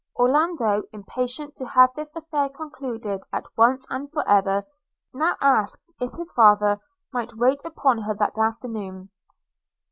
Orlando, impatient to have this affair concluded at once and for ever, now asked if his father might wait upon her that afternoon?